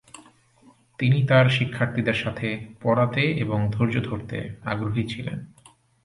তিনি তার শিক্ষার্থীদের সাথে পড়াতে এবং ধৈর্য ধরতে আগ্রহী ছিলেন।